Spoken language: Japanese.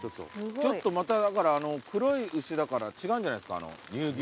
ちょっとまただから黒い牛だから違うんじゃないですか乳牛とは。